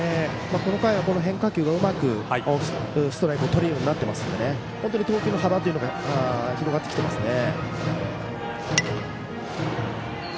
この回は変化球がうまくストライクをとれるようになっているので本当に投球の幅が広がってきていますね。